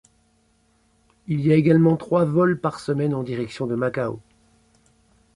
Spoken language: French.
Il y a également trois vols par semaine en direction de Macao.